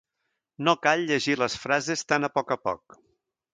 No cal llegir les frases tan a poc a poc.